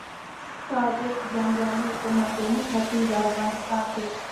تاجیک جنګيالي په منځني ختيځ او افغانستان کې